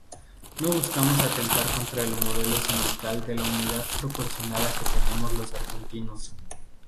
No buscamos atentar contra el modelo sindical de unidad promocionada que tenemos los argentinos.